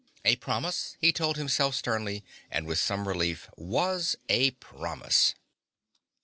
A promise, he told himself sternly and with some relief, was a promise.